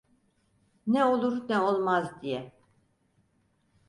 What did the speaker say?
Ne olur ne olmaz diye.